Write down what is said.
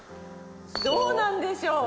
どうなんでしょう？